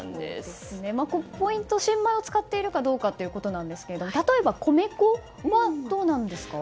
ポイント、新米を使っているかどうかということですが例えば、米粉はどうですか？